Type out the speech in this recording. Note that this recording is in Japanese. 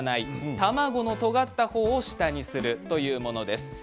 卵のとがった方を下にするというものです。